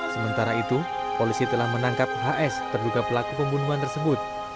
sementara itu polisi telah menangkap hs terduga pelaku pembunuhan tersebut